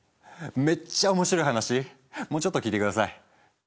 めっちゃ面白い話もうちょっと聞いて下さい。